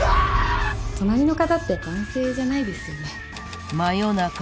「隣の方って男性じゃないですよね？」